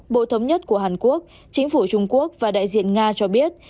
bộ thống nhất của hàn quốc chính phủ trung quốc và đại diện nga cho biết